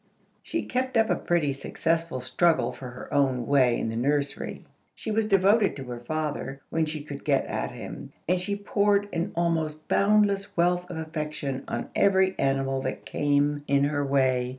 She kept up a pretty successful struggle for her own way in the nursery. She was devoted to her father, when she could get at him, and she poured an almost boundless wealth of affection on every animal that came in her way.